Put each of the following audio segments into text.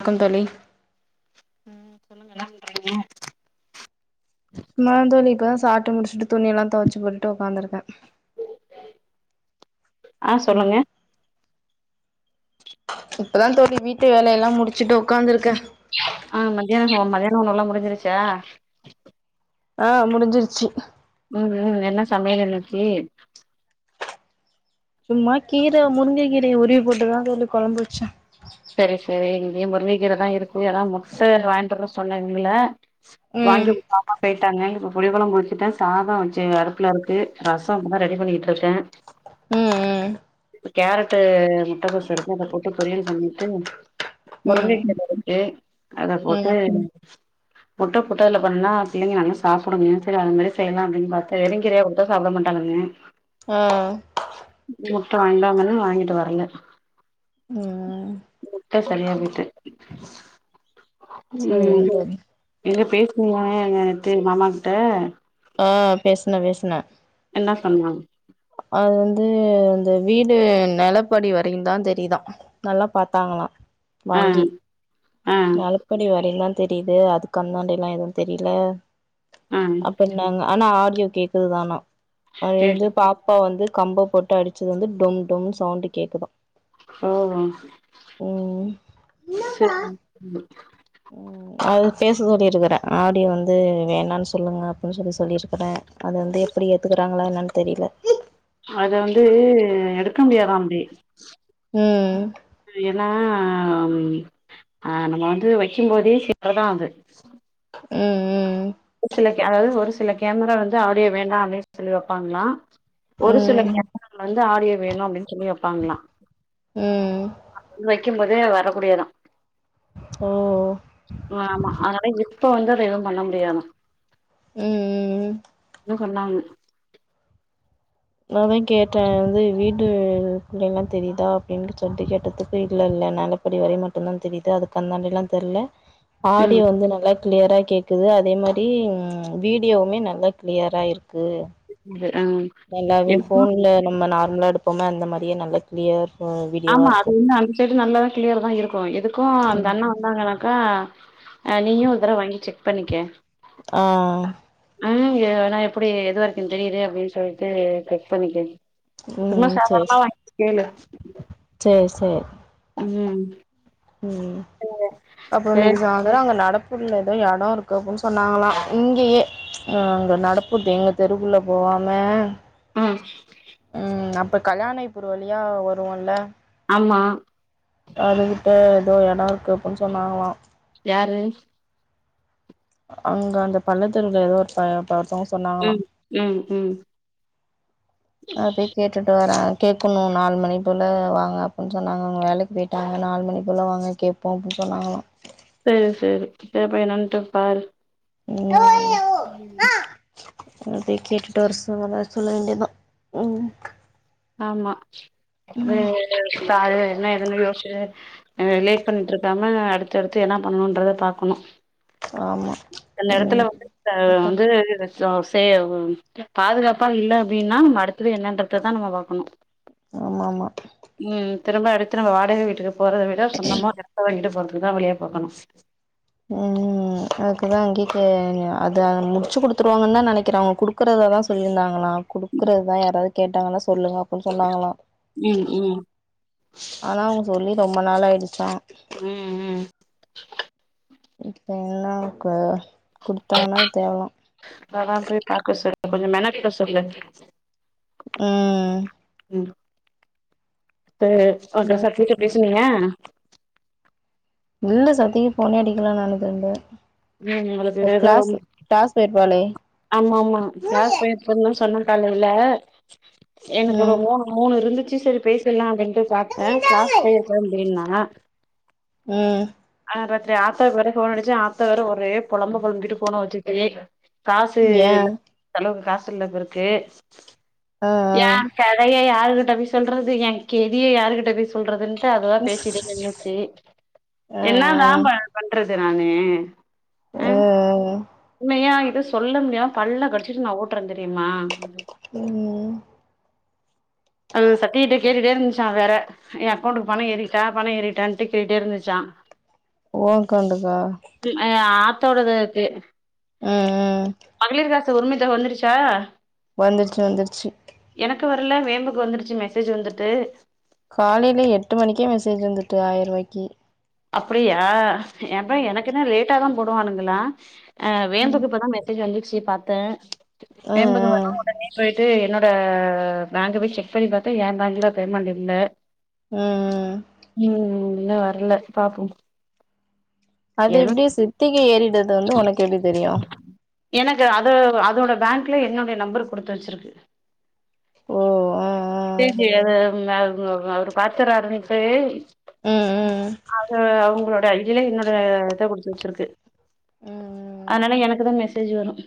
வணக்கம் தோழி ம் சொல்லுங்க என்ன பண்றீங்க சும்மாதா தோழி இப்பதா சாப்ட்டு முடிச்சுட்டு துணியெல்லா தொவச்சு போட்டுட்டு உக்காந்ருக்கே அ ம் சொல்லுங்க இப்பதா தோழி வீட்டு வேலையெல்லா முடிச்சுட்டு உக்காந்ருக்கே அ மதியானோ சோ மத்தியானே உணவெல்லா முடிஞ்சிருச்சா அ முடிஞ்சிருச்சு ம் ம் என்ன சமையல் இன்னைக்கி சும்மா கீர முருங்க கீரய உருவி போட்டுதா தோழி கொழம்பு வெச்சே செரி செரி இங்கயு முருங்ககீரதா இருக்கு அதா முட்ட வாய்ட்டு வர சொன்னே இவுங்கல ம் வாங்கி குடுக்காம பொய்ட்டாங்க இப்ப புளிகொழம்பு வச்சுட்டே சாதோ வச்சு அடுப்புலருக்கு ரசோ இப்பதா ரெடி பண்ணிகிட்ருக்கே ம் ம் கேரட்டு முட்டக்கோசு இருக்கு இத போட்டு பொரியல் பண்ணிட்டு ம் முருங்கக் ம் கீர இருக்கு அத போட்டு ம் முட்டபோட்டு அதுல பண்ணா பிள்ளைங்க நல்லா சாப்டுங்க சேரி அது மாரி செய்யலா அப்டினு பாத்தே வெறுங்கீரயா குடுத்தா ட சாப்ட மாட்டானுங்கன்னு. அ. முட்ட வாய்ன்ட்டுவாங்கன்னே வாங்கிட்டு வரல. ம். முட்ட சரியாகிட்டு சேரிங்க ம். தோழி எங்க பேசுங்க [unintelligible] மாமா கிட்ட ஆ பேசுன பேசுன. என்னா சொன்னாங் அது வந்து அந்த வீடு நெலப்படி வரைகிந்தா தெரியுதா. நல்லா பாத்தாங்களா ஆ வாங்கி ஆ நெலப் படி வரையுந்தா தெரியுது அதுக்கு அந்தாண்ட எல்லா எது தெரில. அ ப்ன்னாங்க ஆனா ஆடியோ கேக்குதுதானா அது கேட் இது பா ப்பா வந்து கம்ப போட்டு அடிச்சது வந்து டொம் டொம்னு சவுண்டு கேக்குதா. ம் ம் சேரி [inaudible] ம் அது பேச சொல்லிருக்கறே ஆடியோ வந்து வேணான் சொல்லுங்க அப்பின் சொல்லி சொல்லிருக்குறே. அது வந்து எப்பிடி ஏத்துக்குறாங்களா என்னன் தெரில. அத வந்து எடுக்க முடியாதா அப்டி. ம். [inaudible] ஏனா ம் ஆ நம்ம வந்து வக்கிம்போதே [inaudible] தா அது. ம் ம். [inaudible] சில கே அதாவது ஒரு சில கேமரா வந்து ஆடியோ வேண்டா அப்டின் சொல்லி வெப்பாங்ளா. ஒரு சில ம் [inaudible] வந்து ஆடியோ வேணு அப்டின் சொல்லி வெப்பாங்ளா. ம் அது வந்து வெக்கிம்போதே வரக்கூடியதா. ம். ம் ஆமா அதனால இப்ப வந்து அத எதும் பண்ண முடியாதா. ம் ம் ம் ன்னு சொன்னாங் நா அதா கேட்டே வந்து அது வந்து வீடு குள்ள எல்லா தெரிதா அப்டின் சொல்ட்டு கேட்டதுக்கு இல்ல இல்ல நெல ப்படி வரையு மட்டுந்தா தெரிது. அதுக்கு அந்தாண்டில்லா தெர்ல. ம் ஆடியோ வந்து நல்லாக் க்ளியரா கேக்குது அதே மாரி ம் வீடியோவுமே நல்லா க்ளியரா இருக்கு. இது அ நல்லாவே ஃபோன்ல நம்ம நார்ம்லா எடுப்போமே அந்த மாரியே நல்ல க்ளியர் வ வி ஆமா அது வந்து அந்த சைடு நல்லாதா க்ளியர்தா இருக்கு எதுக்கு அந்த ம் அண்ணா வந்தாங்கனா க்கா அ நீயு ஒரு தடவ வாங்கி செக் பண்ணிக்க. ஆ. ம் ஏனா எப்டி எது வரைக்குந் தெரியிது அப்டின் சொல்லிட்டு செக் பண்ணிக்க. சும்மா ம் சேர் சாதாரணமா வாங்கி கேளு சே சே சே. ம் ம் அப்றோ இன்னிக்கி சேரி சா ந்தரோ அங்க நடப்பூர்ல எதோ எடோ இருக்கு அப்பின் சொன்னாங்களா இங்கயே. அ அங்க நடப்பூத்து எங்க தெருக்குள்ள போவாம ம். ம் அப்ப கல்யாணை பூரு வழியா வருவோல்ல. ஆமா அதுட்ட ஏதோ எடம் இருக்கு அப்டினு சொன்னாங்களாம் யாரு அங்க அந்த பள்ளத்தெவுருல ஏதோ பாத்தோம் ம் ம் ம் [inaudible] அப்டியே கேட்டுட்டு வார கேட்கணும் நாலு மணி போல வாங்க அப்டின்னு சொன்னாங்க வேலைக்கு சாயங்காலம் நாலு மணிக்குள்ள வாங்க கேட்போம் அப்டின்னு சொன்னாங்களாம் செரி செரி செரி போய் என்னன்ட்டு பாரு [unintelligible] [inaudible] அத போய் கேட்டுட்டு வர சொல்ல வேண்டிய தான் ம் ஆமா ம் காலைலே என்ன ஏதுன்னு யோஸ்ட்டே லேட் பண்ணிட்ருக்காம அடுத்தடுத்து என்ன பண்ணுன்றத பாக்கணு ஆமா சில ம் எடத்துல வந்து ஆ கரெக்டாதா வந்து சே பாதுகாப்பா இல்ல அப்டின்னா நம்ம அடுத்தது என்னன்றத தா நம்ம பாக்கணு ஆமா ஆமா ம் திரும்ப அடுத்து நம்ம வாடக வீட்டுக்கு போறத விட சொந்தமா ஒரு எடத்த வாங்கிட்டு போறதுக்கு தா வழிய பாக்கணு ம் அதுக்கு தான் இங்கேக்கு அதா முடிச்சு குடுத்துருவாங்கன் தான் நனைக்கிறே அவங்க குடுக்குறதா தான் சொல்லிருந்தாங்களா குடுக்குறது தான் யாராவது கேட்டாங்கன்னா சொல்லுங்க அப்டின்னு சொன்னாங்களா ம் ம் ஆனா அவங்க சொல்லி ரொம்ப நாளா ஆகிடுச்சா ம் ம் இப்ப எல்லாம் கு கொடுத்தான்னா தேவலாம் அதாம் போய் பாக்க சொல்லு கொஞ்சம் மெனக்கட சொல்லு ம் ம் செரி அப்றோ சத்தி ட்ட பேசினியா இல்ல சத்திக்கு போனே அடிக்கலா நானுதென்டு ம் அவளுக்கு ஏதோ போயிருப்பாளே ஆமா ஆமா ஜா ம் பேயா ஒரு நாள் சொன்னா காலையில்லே எனக்கு ஒரு மூணு மூணு இருந்துச்சு சரி பேசிடலாம் அப்டின் பாத்தேன் கிளாஸ் போய்ற்றே அப்டின்னா ம் ஆ ராத்திரி ஆத்தாவுக்கு வேற போன் அடிச்சேன் ஆத்தா வேற ஒரே பொலம்பு பொலம்பிட்டு ஃபோனா வச்சுக்கிட்டே காசு ஏ இல்ல செலவுக்கு காசுல்ல பெருக்கே ஆ ஆ என் கதைய யாருகிட்ட போய் சொல்றது என் கெதிய யாருகிட்ட போய் சொல்றதுன்ட்டு அதுவா பேசிட்டே நின்னுச்சி ஆ என்ன தா பன் பண்றது நானு ஆ உண்மையா இது சொல்ல முடியாம பல்ல கடிச்சிட்டு நான் ஓட்டுறேன் தெரியுமா ம் அது சத்திகிட்ட கேட்டுட்டே இருந்துச்சா வேற என் அக்கௌண்ட்டக்கு பணம் ஏறிச்சா பணம் ஏறிட்டான்ட்டு கேட்டுடே இருந்துச்சான் ஓன் அக்கௌண்டுகா ஆ ஆத்தோடது இது ம் ம் மகளிர் காசு உரிமதொக வந்துருச்சா வந்துருச்சு வந்துருச்சு எனக்கு வரல வேம்புக்கு வந்துருச்சு மெசேஜ் வந்துட்டு காலையில எட்டு மணிக்கே மெசேஜ் வந்துட்டு ஆயிரூபாய்க்கி அப்படியா ஏம்ப்பா ம் எனக்குனா லேட்டா தான் போடுவானுங்களா அ ம் வேம்புக்கு இப்பதான் மெசே மெசேஜ் வந்துச்சி பாத்தேன் என்பது ம் ம் வரும் உடனே போயிட்டு என்னோட ப பேங்க போய் செக் பண்ணி பாத்தா ஏ பேங்க்ல பேமெண்ட் இல்ல ம் ம் ம் இன்னும் வர்ல பாப்போம் அது எப்டி சித்திக்கு ஏறிடுது வந்து உனக்கு எப்படி தெரியும் எனக்கு அது அதோட பேங்க்ல என்னுடைய நம்பர் கொடுத்து வச்சிருக்கு ஓ ஆ செரி அத அவுங் அவுங்க அவரு பாத்துறாருன்ட்டு ஆ ம் ம் அது அவுங்களோட ஐடியில என்னோட இத குடுத்து வச்சிருக்கு ம் அதனால எனக்கு தான் மெசேஜ் வரும்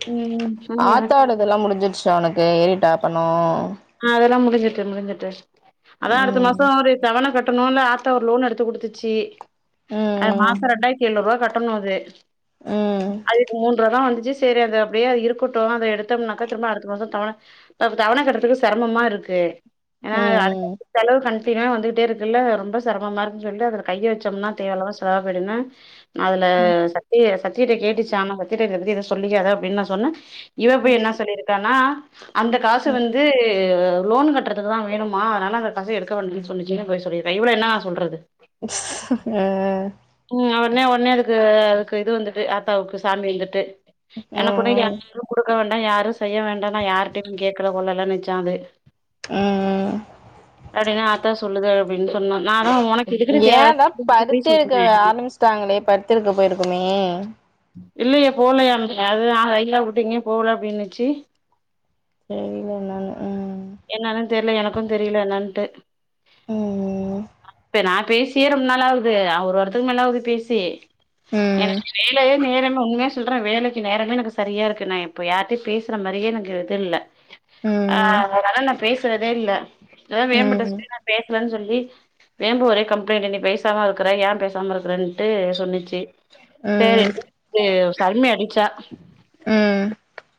ம் ஆனா எனக்கு ஆத்தாடு இதெல்லாம் முடிஞ்சிருச்சா உனக்கு ஏறிடாப்பணொ ஆ அதெல்லாம் முடிஞ்சட்டு முடிஞ்சுட்டு அதான் அடுத்த மாசொ ம் ஒரு தவன கட்டணும்ல்ல த்தா ஒரு லோன் எடுத்து கொடுத்துச்சு அ ம் மாசம் ரெண்டாயிரத்தி எழுநூறு ரூபா கட்டணும் அது ம் ம் அதுக்கு மூன்றதா வந்துச்சு சரி அது அப்படியே இருக்கட்டும் அதை எடுத்தோம்னாக்க திரும்ப அடுத்த மாசம் தவண தவண கட்டறதுக்கு சிரமமா இருக்கு ஏனா ம் செலவு கன்ட்டினா வந்துட்டே இருக்குல்ல ரொம்ப சிரமமா இருக்குன்னு சொல்லிட்டு அதுல கையை வச்சோம்னா தேவலாம செலவா போயிடும்னு அதுல ம் சத்தி சத்தியிட்ட கேட்டுச்சா சத்தியட்ட இத பத்தி ஏதோ சொல்லிக்காத அப்படின்னு நான் சொன்ன ம் இவப்போய் என்ன சொல்லியிருக்கானா அந்த காசு ம் வந்து து லோன் கட்டுறதுக்குதான் வேணுமா அதனால அந்த பசை எடுக்க வேண்டு சொன்னிச்சுன்னு போய் சொல்லி இருக்கா இவள என்ன சொல்றது ஆ உம் உடனே உடனே அதுக்கு அதுக்கு இது வந்துட்டு ஆத்தாவுக்கு சாமி வந்துட்டு என கூட யாரும் கொடுக்க வேண்டாம் யாரும் செய்ய வேண்டாம்னா யாரிட்டயு கேட்கல கொள்ளலனுச்சான் அது ம் ம் அப்படின்னு ஆத்தா சொல்லது அப்படின்னு சொன்னா நா தா ஒனக் ஏதான் பருத்தி எடுக்க ஆரம்பிச்சிட்டாங்களே பருத்தி எடுக்க போயிருக்குமே இல்லையே போலையா [unintelligible] அந்த அது இல்ல நான் கையா வுட்டீங்க போகல அப்படின்னுச்சு தெரில நானு உம் என்னன்னு தெரியல எனக்கும் தெரியல என்னாட்டு ம் நா பேசியே ரொம்ப நாள் ஆவுது அ ஒரு வரத்துக்கு மேல ஆவுது பேசி ம் எனக்கு வேலைய நேரம் உங்க செல்ற வேலைக்கு நேரமே எனக்கு சரியா இருக்கு நான் இப்ப யாரிட்டையும் பேசுற மாரியே எனக்கு இது இல்லை ஆ ம் ம் அதா நா பேசுறதே இல்லை அதான் வேம்புட்ட ம் சொல்லி நா பேசலன்னு சொல்லி வேம்பும் ஒரே கம்ப்ளைண்ட் நீ பைசாம இருக்கற ஏன் பேசாம இருக்கறன்ட்டு சொன்னிச்சு சேரி ம் [inaudible] சருமி அடிச்சா ம்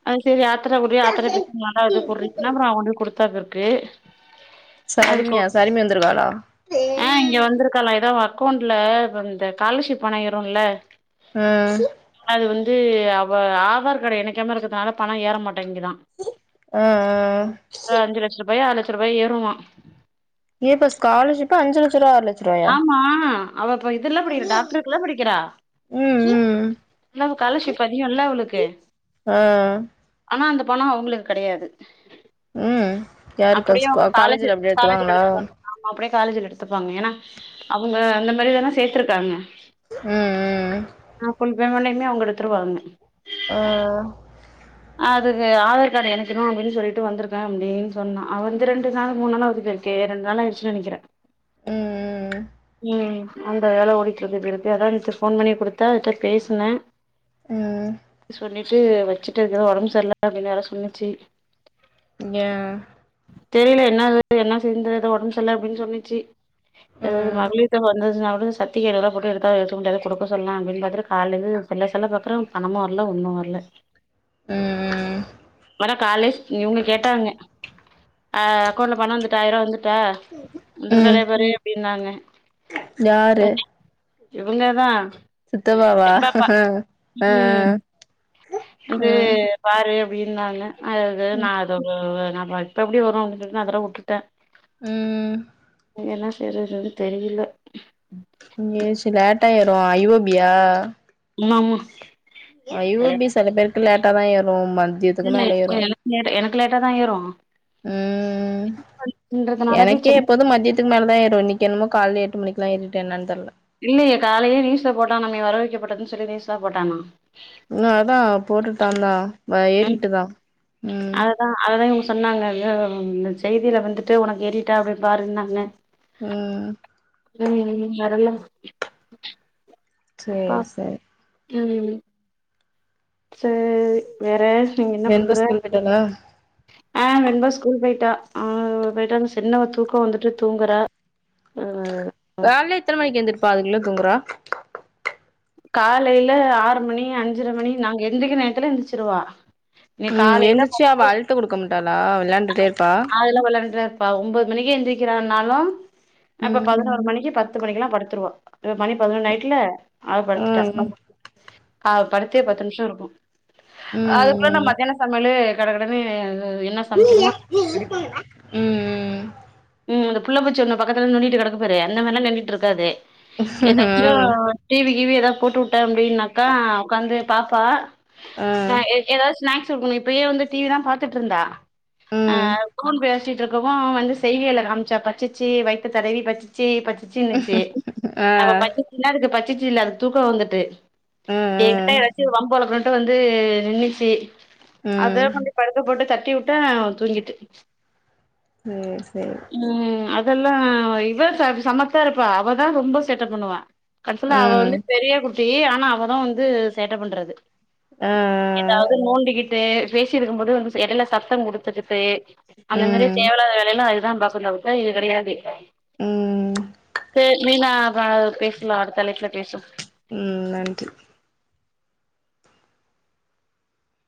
ஆ செரி ஆத்தட குடுரி ஆத்தட்ட பேச நல்லா இது போடுரின்னா அப்புறம் அவ கொண்டு போய் கொடுத்தாபிற்கு சருமியா சருமி வந்திருக்காலா ஆ இங்க வந்திருக்கலாம் ஏதோ அவ அக்கௌண்ட்ல இந்த ஸ்காலர்ஷிப் பணம் ஏறும் இல்ல ம் அது வந்து அவ ஆதார் கார்ட எணைக்காம இருக்குறதுனால பணம் ஏற மாட்டேங்குதா அ அ அ ஒரு லட்ச ரூபாய் ஆறுலட்ச ரூபாய் ஏறுமா ஏப்பா ஸ்காலர்ஷிப் அஞ்சு லட்சரூபா ஆறு ரூவாயா ஆமா அவ இப்ப இதுல்லா படிக்கிறா டாக்டருக்கு இல்ல படிக்கிறா ம் ம் ல்ல ஸ்காலர்ஷிப் அதிகம்ல்ல அவளுக்கு ஆ ஆ ஆனா அந்த பணம் அவங்களுக்கு கெடயாது ம் யாருக்கு அது அப்டியே ஸ்கூ அவுங்க காலேஜி காலேஜ்ல அப்டி காலேஜ்ல நடத்துவாங்களா எடுத்துக்குவாங்க ஆமா அப்டியே காலேஜ்ல எடுத்துப்பாங்க ஏன்னா அவுங்க அந்த மாரிதான சேத்திருக்காங்க ம் ம் அ ஃபுல் பேமன்ட்யுமே அவுங்க எடுத்துருவாங்க ஆ அதுக்கு ஆதார் கார்டு எனக்கெணும் அப்டின்னு சொல்ட்டு வந்திருக்கே அப்டின் சொன்னா அவன் வந்து ரெண்டு நாள் மூணு நாள் ஆவுது டி கேல்ஸ் கே ரெண்டு நாளாயிடுச்சினு நெனைக்கிறேன் ம் ம் அந்த வேல ஓடிக்கிட்றுக்குது அதான்ட்டு போன் பண்ணி குடுத்த அவட்ட பேசின ம் சொல்லிட்டு வச்சுட்டு இருக்கு வோடம்பு சரில அப்டின்னு வேற சொன்னுச்சு யா தெரில யென்ன அது யென்ன செய்ந்துத உடம்பு செரில்ல அப்டின்னு சொன்னிச்சு தா ம் மகளிர் தொக வந்தச்சினா கூட சட் டீ ஏழுவதுரூவா போட்டு எடுக்கா எடுத்து குடுக்க சொல்லா அப்டின்னு பாத்திட்டு கால்லருந்து செல்ல செல்ல பாக்கற பணமும் வரல ஒன்னும் வரல ம் ம் ம் வர காலேஜ் யிவுங்க கேட்டாங்க அ அக்கௌண்ட்ல பணம் வந்துட்டா ஆயிரூவா வந்துட்டா ம் வந்துருகாலா பாரு அப்டினாங்க யாரு ஓத்தி இவங்கதா சித்தப்பாவா பாப்பா ஆ ஆ ம் வந்து பாரு அப்டினாங்க அது நான் அத நான் பார் இப்ப எப்டி வரும் அப்டினு சொல்லிட்டு அதெல்லாம் வுட்டுட்டேன் ம் ம் என்ன செய்யறதுன்னு தெரில லூசு லேட் ஆய்ரும் ஐ வோ பி யா ஆமாம்மா ஐ ஓ பி சில பேருக்கு லேட்டா தான் ஏரும் மண் இல்ல எனக்கு லேட் எனக்கு லேட்டாதா ஏரும் ம் போய் எனக்கே செக் எப்போதும் மத்தியத் துக்கு மேல தான் ஏரும் இன்னிக் எண்ணமோ கால்ல எட்டு மணிக்கிலாம் யேரிட்டு யென்னானு தெர்ல இல்லையே காலைலே நியூஸ்ல போட்டானாமே வரவு வைக்கப்பட்டதுன்னு சொல்லி நியூஸ்ல போட்டானா இன்னும் அதான் போட்டுட்டான்லா ஆ தா ஏறிட்டு தான் ம் அததான் இவங்க சொன்னாங்க அ இந்த செய்தியில வந்துட்டு உனக்கு ஏரிட்டா அப்டின்னு பாருன்னாங்க ம் ம் ம் வரல்லா சேரி அப்பா சேரி ம் ம் சேரி வேற நீங்க என்ன பண்ற போய்ட்டால்லா ஆ வெண்பா ஸ்கூல் போயிட்டா ஆ போயிட்டா சின்னவ தூக்கம் வந்துட்டு தூங்குறா ஆ அதேதான் கால்ல எத்தன மணிக்கு எந்திரிப்பா அதுங்குள்ள தூங்குறா காலையில ஆறு மணி அஞ்சுர மணி நாங்க எந்திரிக்குற நேரத்துல எந்திரிச்சுருவா ம் எந்திச்சு அவ அழ்ட்டு குடுக்க மாட்டாளா வெளையாண்டுட்டே இருப்பா கால்ல வெளையான்டேருப்பா ஒம்போது மணிக்கி எந்திரிக்கிறனாலும் இப்ப ம் பதுனோரு மணிக்கி பத் த்து மணிக்கெல்லா படுத்துருவா இப்ப மணி பதுனொன்னாய்டுல அவ படுத்துட்டா ம் அவ படுத்தே பத்து நிம்ஷோ இருக்கு ம் அதுக்குள்ள நா ம் மத்தியானோ சமையலு கட கடனு என்ன சமைக்கணுமோ ம் ம் ம் ம் இந்த புள்ளப் பூச்சி ஒண்ணு பக்கத்துல நோண்டிட்டு கெடக்குப்பாரு அந்த மாரிலா நோன்டிட்டுருக்காது ம் எதாச்சு டிவி கீவி எதாவது போட்டுவுட்டே அப்டின்னாக்கா உக்காந்து பாப்பா ஆ அ எ எதாச் ஸ்நாக்ஸ் கொடுக்கணும் இப்பயே ஸ்நாக்ஸ் இருக்குனு இப்பயே வந்து டிவி தா பாத்துட்ருந்தா அ ம் அ போன் பேசிட்டு இருக்கவு வந்து செய்கையில காம்ச்சா பச்சிச்சி வைத்த தடவி பச்சிச்சி பச்சிச்சினுச்சு ஆ அவ ம் பச் இல்ல அதுக்கு பச்சிச்சு இல்ல அது தூக்கோ வந்துட்டு ஏகிட்ட ம் எதாச்சு வம்பு வளக்கனுன் கிட்ட வந்து நின்னுச்சி அத ம் கொன்டி படுக்க போட்டு தட்டி வுட்டே தூங்கிட்டு இது சேரி ம் அதெல்லா இவ சமத்தா இருப்பா அவதா ரொம்ப சேட்டப் பண்ணுவா கடசில அவ ம் வந்து பெரிய குட்டி ஆனா அவதா வந்து சேட்டப் பண்றது அ அ எதாவது நோண்டிக்கிட்டு பேசிட்ருக்கும் போது வந்துச்சு எடையில சத்தம் குடுத்து கிட்டு அந்த மாரி ம் தேவயில்லாத வேலையெல்லா அதுதா பாக்கு தவுத்து இது கெடையாது ம் செரி மீனா அப்றோ அதுக் பேஸ்லா அடுத்த தலைப்புல பேசு ம் நன்றி